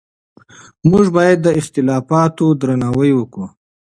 موږ باید د اختلافاتو درناوی وکړو.